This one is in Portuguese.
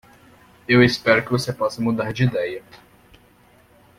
Eu espero que você possa mudar de ideia.